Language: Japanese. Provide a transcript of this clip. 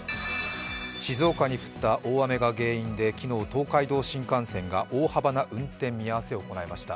静岡に降った大雨が原因で昨日、東海道新幹線が大幅な運転見合わせになりました。